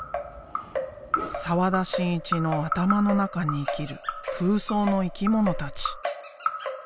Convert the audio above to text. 澤田真一の頭の中に生きる空想の生き物たち。